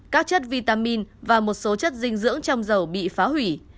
các chất vitamin và một số chất dinh dưỡng trong dầu bị phá hủy